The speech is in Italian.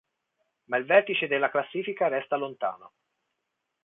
Ma il vertice della classifica resta lontano.